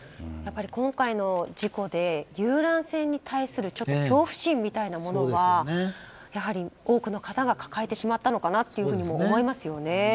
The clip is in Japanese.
今回の事故で遊覧船に対する恐怖心みたいなものはやはり多くの方が抱えてしまったのかなとも思いますよね。